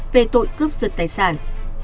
về tội cướp giật tài sản